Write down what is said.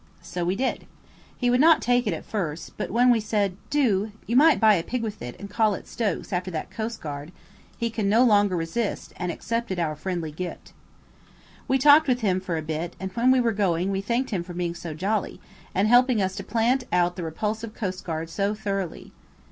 So we did. He would not take it at first, but when we said, "Do–you might buy a pig with it, and call it Stokes after that coastguard," he could no longer resist, and accepted our friendly gift. We talked with him for a bit, and when we were going we thanked him for being so jolly, and helping us to plant out the repulsive coastguard so thoroughly.